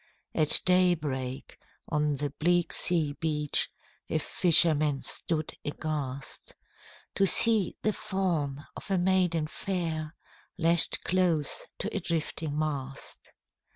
At day break, on the bleak sea beach A fisherman stood aghast, To see the form of a maiden fair Lashed close to a drifting mast.